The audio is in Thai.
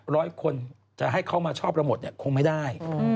ร้อยคนจะให้เขามาชอบระหมดคงไม่ได้